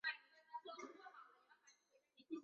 马蒂发现埃迪开了作弊码。